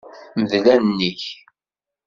Mdel allen-ik.